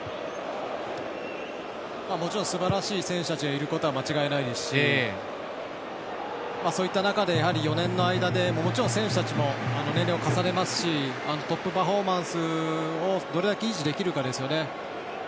すばらしい選手たちがいることは間違いないですしそういった中で４年の間でもちろん選手たちも年齢を重ねますしトップパフォーマンスをどれだけ維持できるかですよね。